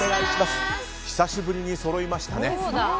久しぶりにそろいましたね。